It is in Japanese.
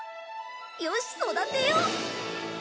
よし育てよう！